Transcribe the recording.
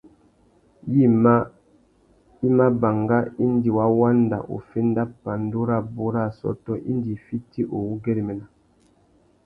Yïmá i mà banga indi wa wanda uffénda pandú rabú râ assôtô indi i fiti uwú güérémena.